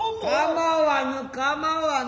構わぬ構わぬ。